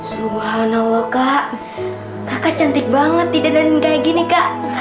subhanallah kak kakak cantik banget didenin kayak gini kak